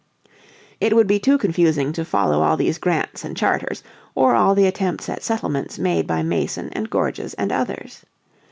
It would be too confusing to follow all these grants and charters, or all the attempts at settlements made by Mason and Gorges and others.